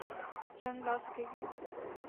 رنگ لا سکے گی۔